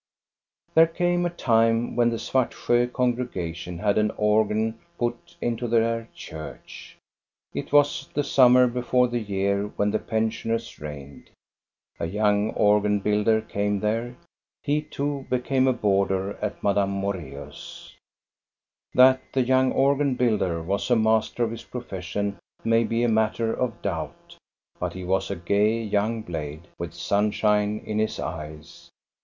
There came a time when the Svartsjo congrega tion had an organ put '.ito their church. It was the summer before the year when the pensioners reigned. A young organ builder came there. He too became a boarder at Madame Moreus*. That the young organ builder was a master of his profession may be a matter of doubt. But he was a gay young blade, with sunshine in his eyes.